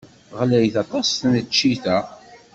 Ɣlayet aṭas tneččit-a.